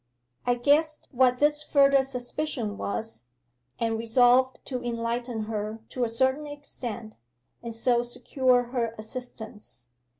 'I guessed what this further suspicion was, and resolved to enlighten her to a certain extent, and so secure her assistance.